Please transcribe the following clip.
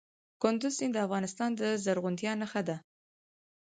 کندز سیند د افغانستان د زرغونتیا نښه ده.